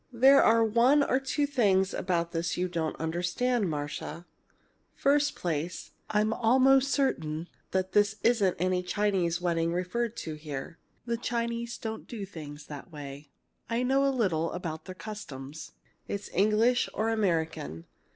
"There are one or two things about this you don't understand, Marcia. First place, I'm almost certain this isn't any Chinese wedding referred to here. The Chinese don't do things that way. I know a little about their customs. It's English or American.